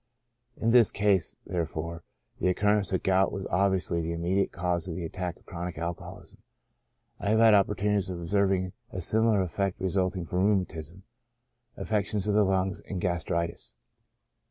In this case, therefore, the occur rence of gout was obviously the immediate cause of the attack of chronic alcoholism. I have had opportunities of observing a similar effect resulting from rheumatism, affec tions of the lungs, and gastritis.